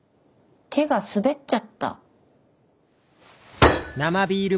手が滑っちゃった。